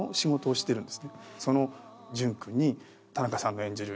その純君に田中さんが演じる